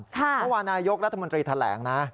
เมื่อวานนี้นายกรัฐมนตรีแถลงนะ